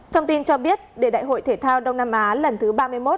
thông tin cho biết đại hội thể thao đông nam á